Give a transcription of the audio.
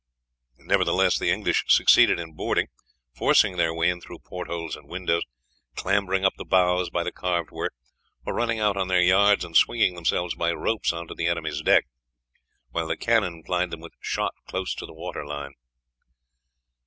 Nevertheless, the English succeeded in boarding, forcing their way in through port holes and windows, clambering up the bows by the carved work, or running out on their yards and swinging themselves by ropes on to the enemy's deck, while the cannon plied them with shot close to the water line.